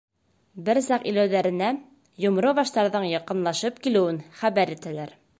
Бер саҡ иләүҙәренә Йомро баштарҙың яҡынлашып килеүен хәбәр итәләр.